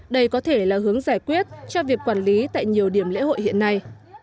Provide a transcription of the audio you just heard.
đây có thể là hướng giải quyết cho việc quản lý tại nhiều điểm lễ hội hiện nay